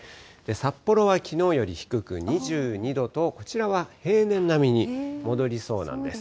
札幌はきのうより低く２２度と、こちらは平年並みに戻りそうなんです。